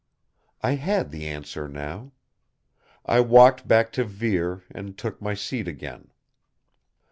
I had the answer now. I walked back to Vere and took my seat again.